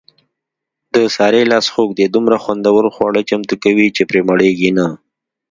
د سارې لاس خوږ دی دومره خوندور خواړه چمتو کوي، چې پرې مړېږي نه.